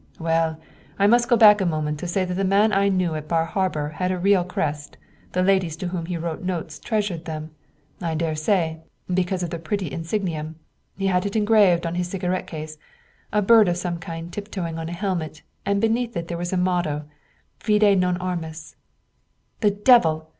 "Well, I must go back a moment to say that the man I knew at Bar Harbor had a real crest the ladies to whom he wrote notes treasured them, I dare say, because of the pretty insignium. He had it engraved on his cigarette case, a bird of some kind tiptoeing on a helmet, and beneath there was a motto, Fide non armis." "The devil!"